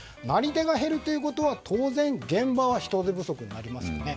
なり手が減るということは当然現場は人手不足になりますね。